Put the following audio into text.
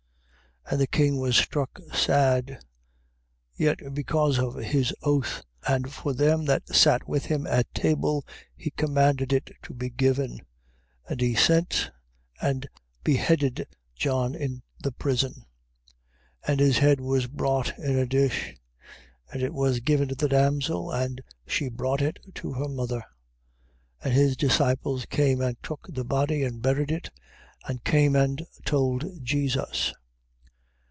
14:9. And the king was struck sad: yet because of his oath, and for them that sat with him at table, he commanded it to be given. 14:10. And he sent, and beheaded John in the prison. 14:11. And his head was brought in a dish: and it was given to the damsel, and she brought it to her mother. 14:12. And his disciples came and took the body, and buried it, and came and told Jesus.